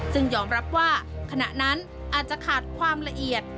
ซึ่งยอมรับว่าขณะนั้นอาจจะขาดความละเอียด